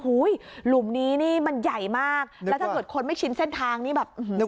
หลุมนี้มันใหญ่มากแล้วถ้าส่วนคนไม่ชินเส้นทางนี่แบบเป็นบ่อ